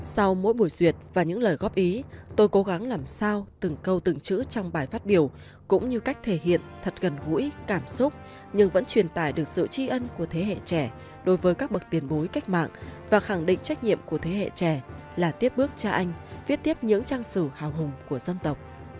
sau mỗi buổi duyệt và những lời góp ý tôi cố gắng làm sao từng câu từng chữ trong bài phát biểu cũng như cách thể hiện thật gần gũi cảm xúc nhưng vẫn truyền tải được sự tri ân của thế hệ trẻ đối với các bậc tiền bối cách mạng và khẳng định trách nhiệm của thế hệ trẻ là tiếp bước cha anh viết tiếp những trang sử hào hùng của dân tộc